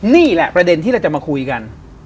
นี่แหละประเด็นที่เราจะมาคุยกัน